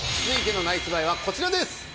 続いてのナイスバイはこちらです。